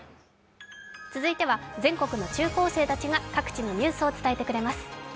続いては、全国の中高生たちが各地のニュースを伝えてくれます。